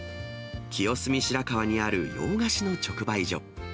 清澄白河にある洋菓子の直売所。